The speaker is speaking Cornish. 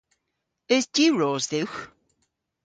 Eus diwros dhywgh?